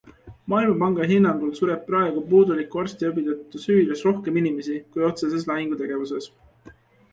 Maailmapanga hinnangul sureb praegu puuduliku arstiabi tõttu Süürias rohkem inimesi, kui otseses lahingutegevuses.